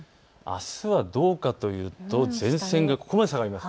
あすはどうかというと前線がここまで下がります。